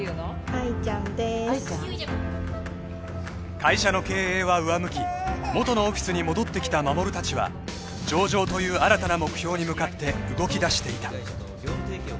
［会社の経営は上向き元のオフィスに戻ってきた衛たちは上場という新たな目標に向かって動きだしていた］